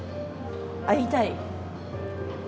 会いたい。